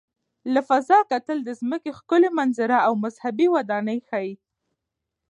له فضا کتل د ځمکې ښکلي منظره او مذهبي ودانۍ ښيي.